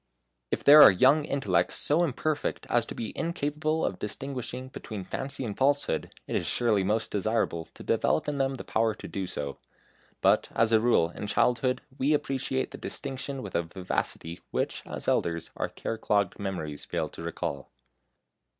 If there are young intellects so imperfect as to be incapable of distinguishing between fancy and falsehood, it is surely most desirable to develop in them the power to do so; but, as a rule, in childhood we appreciate the distinction with a vivacity which, as elders, our care clogged memories fail to recall.